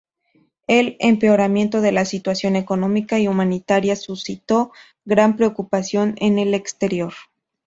El empeoramiento de la situación económica y humanitaria suscitó gran preocupación en el exterior.